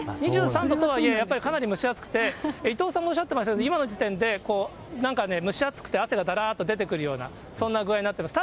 ２３度とはいえ、やっぱりかなり蒸し暑くて、伊藤さんがおっしゃってましたけど、今の時点でこう、なんかね、蒸し暑くて汗がだらっと出てくるような、そんな具合になっています。